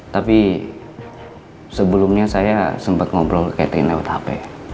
tapi sebelumnya saya sempet ngobrol sama catherine lewat hp